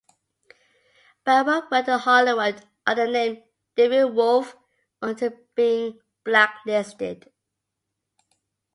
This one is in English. Bauer worked in Hollywood under the name David Wolfe until being blacklisted.